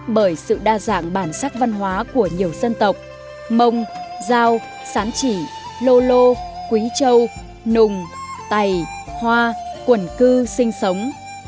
bởi sự đa dạng bản sắc văn hóa của nhiều dân tộc mông giao sán chỉ lô lô quý châu nùng tày hoa quẩn cư sinh sống